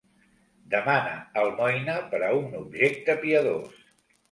Demana almoina per a un objecte piadós.